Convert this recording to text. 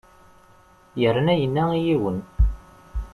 Yerna yenna i yiwen.